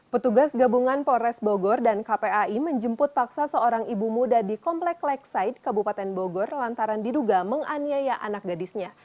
petugas gabungan polres bogor dan kpai menjemput paksa seorang ibu muda di komplek leksaid kabupaten bogor lantaran diduga menganiaya anak gadisnya